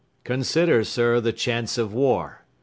Consider, sir, the chance of war.